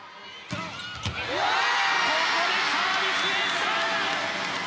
ここでサービスエース！